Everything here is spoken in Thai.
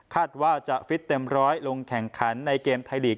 ว่าจะฟิตเต็มร้อยลงแข่งขันในเกมไทยลีก